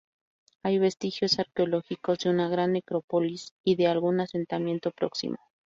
Hay vestigios arqueológicos de una gran necrópolis y de algún asentamiento próximo.